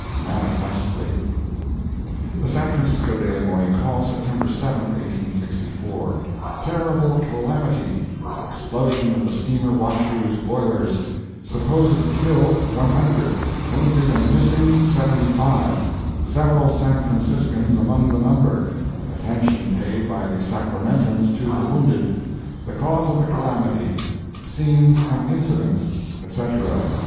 Manifestly. The San Francisco Daily Morning Call, September 7, 1864 TERRIBLE CALAMITY EXPLOSION OF THE STEAMER WASHOE'S BOILERS—SUPPOSED KILLED, ONE HUNDRED—WOUNDED AND MISSING, SEVENTY FIVE—SEVERAL SAN FRANCISCANS AMONG THE NUMBER—ATTENTION PAID BY THE SACRAMENTANS TO THE WOUNDED—THE CAUSE OF THE CALAMITY—SCENES AND INCIDENTS—ETC., ETC.